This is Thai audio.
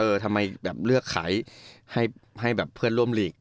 ทำไมแบบเลือกขายให้แบบเพื่อนร่วมลีก